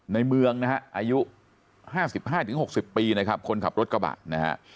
ในเมืองนะฮะอายุ๕๕๖๐ปีนะครับคนขับรถกระบะนะฮะ